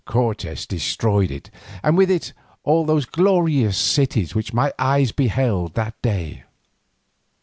Cortes has destroyed it, and with it all those glorious cities which my eyes beheld that day.